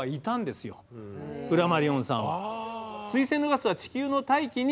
フラマリオンさんは。